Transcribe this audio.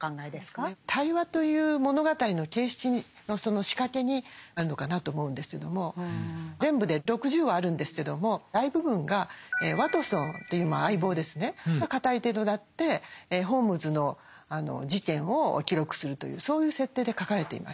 「対話」という物語の形式にその仕掛けにあるのかなと思うんですけども全部で６０話あるんですけども大部分がワトソンという相棒ですねが語り手となってホームズの事件を記録するというそういう設定で書かれています。